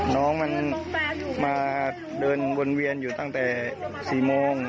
น้องมันมาเดินวนเวียนอยู่ตั้งแต่๔โมง